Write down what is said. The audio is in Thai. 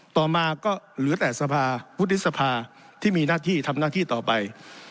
ต่อมาก็เหลือแต่สภาวุฒิสภาที่มีหน้าที่ทำหน้าที่ต่อไป